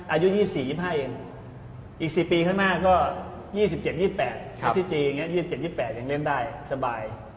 อายุ๒๔๒๕เองอีก๔ปีข้างหน้าก็๒๗๒๘เมซี่จีน๒๗๒๘ยังเล่นได้สบาย